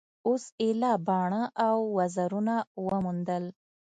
اوس ایله باڼه او وزرونه وموندل.